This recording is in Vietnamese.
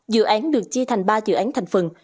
dự án được chia thành ba dự án thành phần